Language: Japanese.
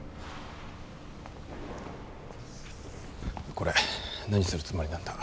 これ何するつもりなんだ。